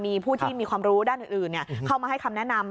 มีผู้ที่มีความรู้ด้านอื่นเข้ามาให้คำแนะนำ